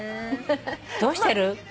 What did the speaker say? どうしてる？